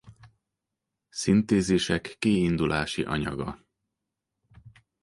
Szintézisek kiindulási anyaga.